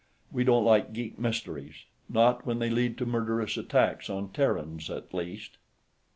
We don't like geek mysteries; not when they lead to murderous attacks on Terrans, at least."